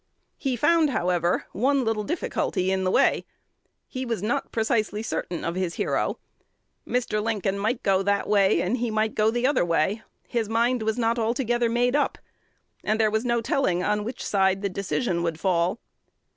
He found, however, one little difficulty in the way: he was not precisely certain of his hero. Mr. Lincoln might go that way, and he might go the other way: his mind was not altogether made up; and there was no telling on which side the decision would fall.